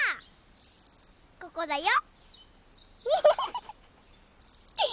ここだよ！